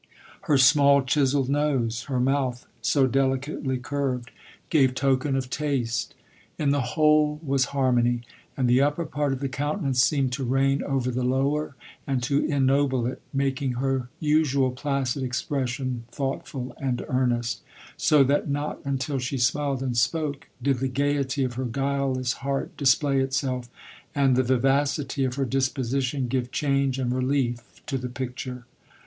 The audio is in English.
Her small chiselled nose, her mouth so delicately curved, gave LODORE. 33 token of taste. In the whole was harmony, and the upper part of the countenance seemed to reign over the lower and to ennoble it, making her usual placid expression thoughtful and earnest ; so that not until she smiled and spoke, did the gaiety of her guileless heart display itself, and the vivacity of her disposition give change and relief to the picture.